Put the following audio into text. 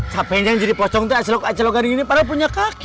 siapa yang jadi pocong aja acelok acelok gini padahal punya kaki ya